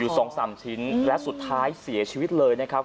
สองสามชิ้นและสุดท้ายเสียชีวิตเลยนะครับ